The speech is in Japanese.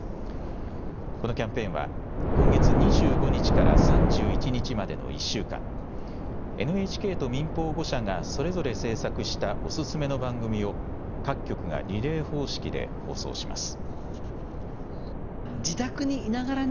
このキャンペーンは今月２５日から３１日までの１週間、ＮＨＫと民放５社がそれぞれ制作したおすすめの番組を各局がリレー方式で放送します。